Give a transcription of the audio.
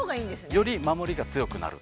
◆より守りが強くなる。